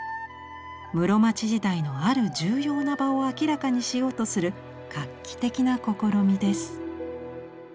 室町時代のある重要な場を明らかにしようとする画期的な試みです。